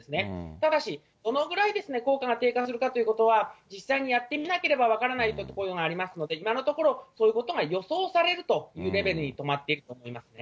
ただし、どのぐらい効果が低下するかということは、実際にやってみなければ分からないということがありますので、今のところ、こういうことが予想されるというレベルね、レベルにとどまっていると思いますね。